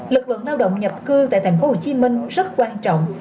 lực lượng lao động nhập cư tại thành phố hồ chí minh rất quan trọng